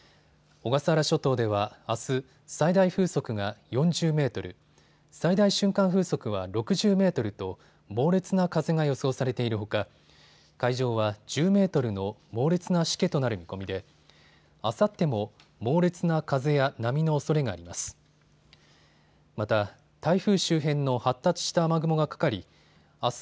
小笠原諸島ではあす、最大風速が４０メートル、最大瞬間風速は６０メートルと猛烈な風が予想されているほか海上は１０メートルの猛烈なしけとなる見込みであさっても猛烈な風や波のおそれがあります。